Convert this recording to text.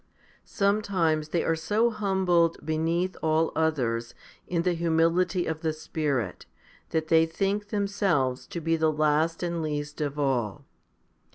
Sometimes they are so humbled beneath all others in the humility of the Spirit, that they think themselves to be the last and least of all.